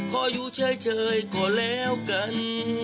ขออยู่เฉยก่อนแล้วกัน